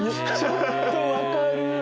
ちょっと分かる。